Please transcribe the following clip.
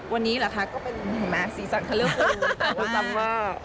วันนี้หรือคะก็เป็นมาร์ซซีซันคำเลือกคุณมาก